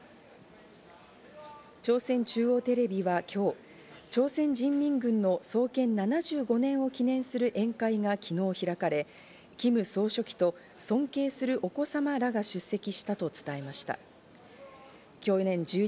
朝鮮中央テレビは今日、朝鮮人民軍の創建７５年を記念する宴会が昨日開かれ、キム総書記と、尊敬するお子様らが出席したと伝えました。